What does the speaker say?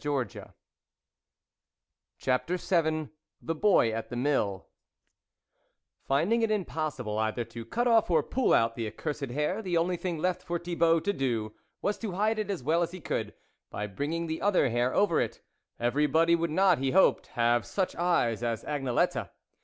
THE WOLF LEADER CHAPTER VII THE BOY AT THE MILL FINDING it impossible either to cut off or pull out the accursed hair, the only thing left for Thibault to do was to hide it as well as he could, by bringing the other hair over it ; everybody would not, he hoped, have such eyes as Agne lette.